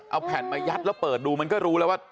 เอาแผ่นมายัดแล้วเปิดดูมันก็รู้แล้วว่า